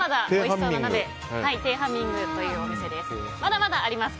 テハンミングというお店です。